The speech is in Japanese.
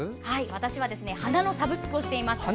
私は花のサブスクをしてます。